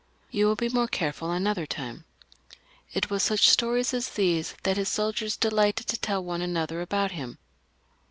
You will be more careful another time." It was such stories as these that his soldiers delighted to tell one another about him.